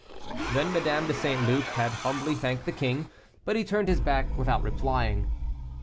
Then Madame de St. Luc had humbly thanked the king, but he turned his back without replying.